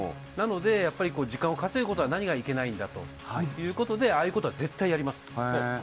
なので時間を稼ぐことの何がいけないかっていうことでああいうことは絶対やります。